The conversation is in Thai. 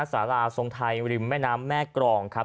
สาราทรงไทยริมแม่น้ำแม่กรองครับ